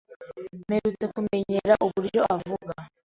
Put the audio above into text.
Mperutse kumenyera uburyo avuga.